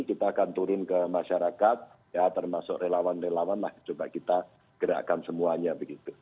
kita akan turun ke masyarakat ya termasuk relawan relawan coba kita gerakkan semuanya begitu